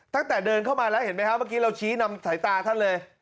ตั้งแต่เดินเข้ามาแล้วเห็นไหมครับเมื่อกี้เราชี้นำสายตาท่านเลย